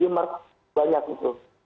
di mark banyak itu